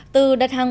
từ đặt hàng